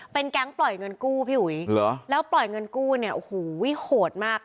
เป็นแก๊งปล่อยเงินกู้พี่อุ๋ยเหรอแล้วปล่อยเงินกู้เนี่ยโอ้โหโหดมาก